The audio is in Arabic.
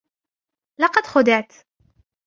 لقد خدعت.